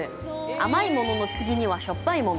甘いものの次には、しょっぱいもの。